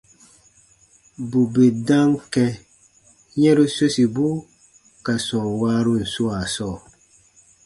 Bù bè dam kɛ̃ yɛ̃ru sosibu ka sɔm waarun swaa sɔɔ,